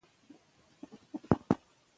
که کیبورډ وي نو لیکل نه بندیږي.